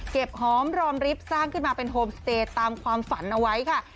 หอมรอมริบสร้างขึ้นมาเป็นโฮมสเตย์ตามความฝันเอาไว้ค่ะ